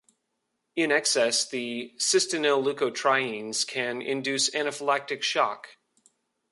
In excess, the cysteinyl leukotrienes can induce anaphylactic shock.